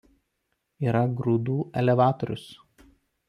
Yra grūdų elevatorius.